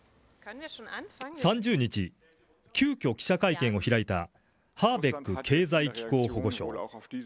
３０日、急きょ記者会見を開いたハーベック経済・気候保護相。